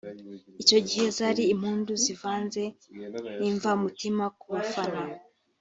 Icyo gihe zari impundu zivanze n’imvamutima ku bafana